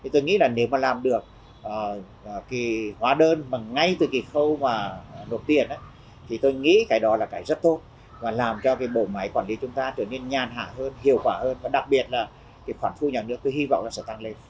tôi nghĩ là nếu mà làm được cái hóa đơn mà ngay từ cái khâu mà nộp tiền thì tôi nghĩ cái đó là cái rất tốt và làm cho cái bộ máy quản lý chúng ta trở nên nhàn hạ hơn hiệu quả hơn và đặc biệt là cái khoản thu nhà nước tôi hy vọng là sẽ tăng lên